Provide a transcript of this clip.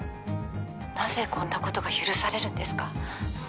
なぜこんなことが許されるんですか？